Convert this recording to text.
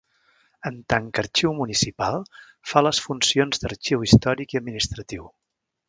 En tant que arxiu municipal fa les funcions d'arxiu històric i administratiu.